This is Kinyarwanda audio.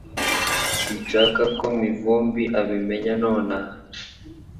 Sinshaka ko Mivumbi abimenya nonaha